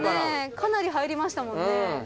かなり入りましたもんね。